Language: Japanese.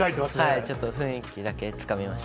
ちょっと雰囲気だけつかみました。